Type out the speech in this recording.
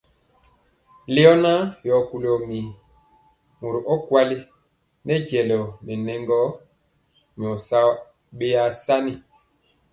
Leona yoo kuli wo mir mori ɔkuli nɛ jelor nɛ nɛgɔ nyor sao beasani.